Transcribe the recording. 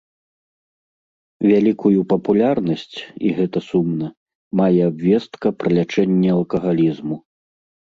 Вялікую папулярнасць, і гэта сумна, мае абвестка пра лячэнне алкагалізму.